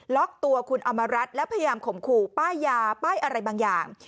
ล็อกตัวคุณอมรัฐและพยายามข่มขู่ป้ายยาป้ายอะไรบางอย่าง